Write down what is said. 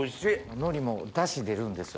海苔もダシ出るんですよ。